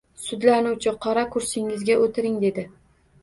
— Sudlanuvchi, qora kursingizga o‘tiring! — dedi.